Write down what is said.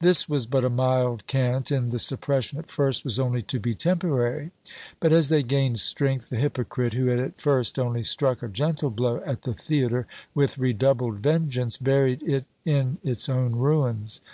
This was but a mild cant, and the suppression, at first, was only to be temporary. But as they gained strength, the hypocrite, who had at first only struck a gentle blow at the theatre, with redoubled vengeance buried it in its own ruins.